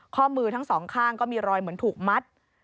ข้อมือทั้งสองข้างก็มีรอยเหมือนถูกมัด